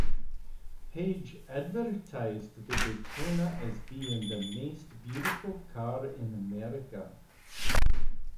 Paige advertised the Daytona as being The most beautiful car in America.